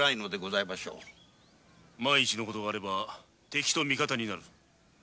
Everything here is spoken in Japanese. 万一の事があれば敵と味方になる。